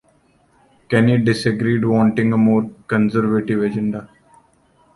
Kenny disagreed, wanting a more conservative agenda.